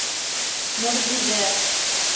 — Мөғжизә!